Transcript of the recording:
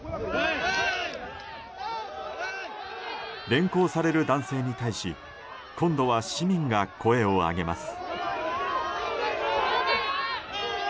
連行される男性に対し今度は市民が声を上げます。